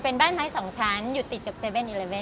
เป็นบ้านไม้๒ชั้นอยู่ติดกับ๗๑๑